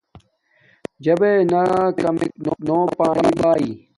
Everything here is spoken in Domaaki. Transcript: چاݵے نا کمک نو پانی باݵ